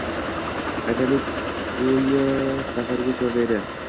Aytaylik, g‘oya safarga chorlaydi.